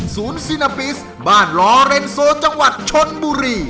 ซีนาปิสบ้านลอเรนโซจังหวัดชนบุรี